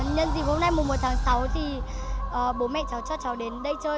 nhân dịp hôm nay một tháng sáu thì bố mẹ cho cháu đến đây chơi